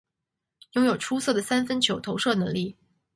拥有出色的三分球投射能力。